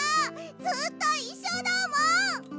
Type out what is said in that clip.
ずっといっしょだもん！